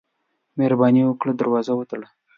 مهرباني وکړه، دروازه وتړه.